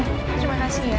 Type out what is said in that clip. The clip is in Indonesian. terima kasih ya